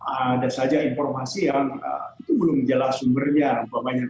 ada saja informasi yang itu belum jelas sumbernya